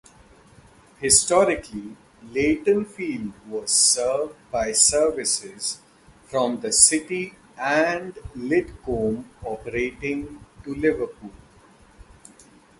Historically Leightonfield was served by services from the city and Lidcombe operating to Liverpool.